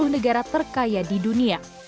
sepuluh negara terkaya di dunia